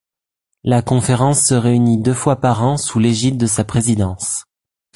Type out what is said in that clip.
La conférence se réunit deux fois par an sous l'égide de sa présidence.